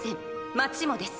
街もです。